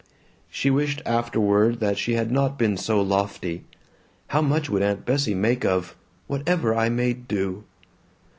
She wished afterward that she had not been so lofty. How much would Aunt Bessie make of "Whatever I may do?"